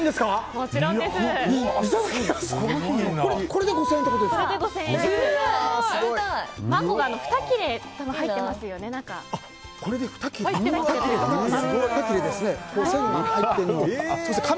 これで５０００円ってことですか。